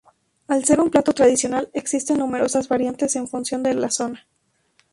Al ser un plato tradicional, existen numerosas variantes en función de la zona.